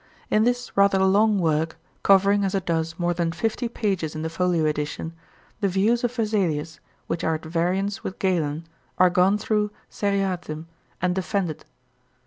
In this rather long work, covering as it does more than fifty pages in the folio edition, the views of Vesalius, which are at variance with Galen, are gone through seriatim and defended.